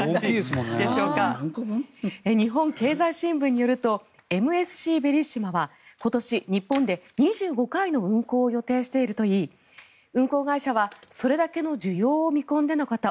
日本経済新聞によると「ＭＳＣベリッシマ」は今年、日本で２５回の運航を予定しているといい運航会社はそれだけの需要を見込んでのこと。